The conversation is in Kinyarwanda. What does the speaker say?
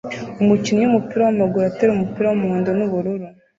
Umukinnyi wumupira wamaguru atera umupira wumuhondo nubururu